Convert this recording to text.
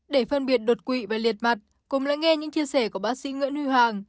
để phân biệt đột quỵ và liệt mặt cùng hãy nghe những chia sẻ của bác sĩ nguyễn huy hoàng